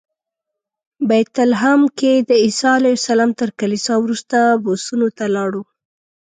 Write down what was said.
بیت لحم کې د عیسی علیه السلام تر کلیسا وروسته بسونو ته لاړو.